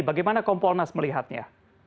bagaimana kompolnas melihatnya